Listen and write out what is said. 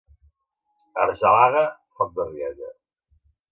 Argelaga, foc de rialla.